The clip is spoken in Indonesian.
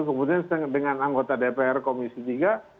kemudian dengan anggota dpr komisi tiga